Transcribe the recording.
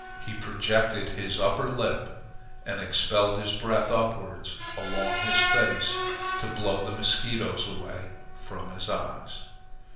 He projected his under lip and expelled his breath upwards along his face to blow the mosquitoes away from his eyes.